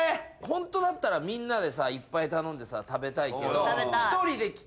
ホントだったらみんなでさいっぱい頼んで食べたいけど。